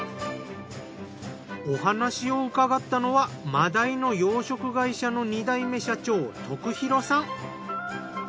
お話を伺ったのは真鯛の養殖会社の２代目社長徳弘さん。